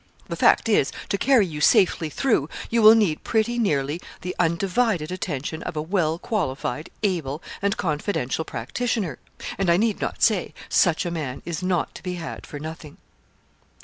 The fact is, to carry you safely through you will need pretty nearly the undivided attention of a well qualified, able, and confidential practitioner; and I need not say, such a man is not to be had for nothing.'